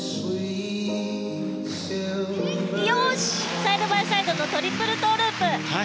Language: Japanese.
サイドバイサイドのトリプルトウループ。